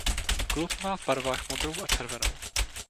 Klub má v barvách modrou a červenou.